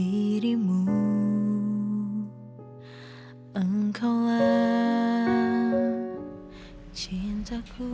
aku mau ke sekolah